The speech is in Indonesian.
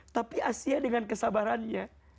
tapi asiyah dengan kesabarannya